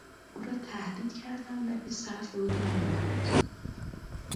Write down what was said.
او را تهدید کردند ولی سر فرود نیاورد.